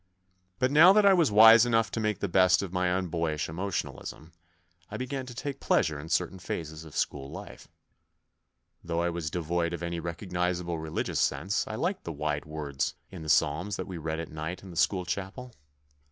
But now that I was wise enough to make the best of my unboyish emotionalism, I began to take pleasure in certain phases of school life. Though I was devoid of any recognisable religious sense I liked the wide words in the Psalms that we read at night in the school chapel.